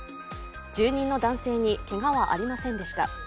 住人の男性にけがはありませんでした。